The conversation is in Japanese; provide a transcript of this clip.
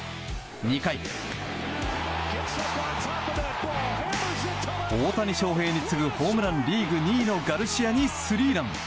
２回、大谷翔平に次ぐホームランリーグ２位のガルシアにスリーラン。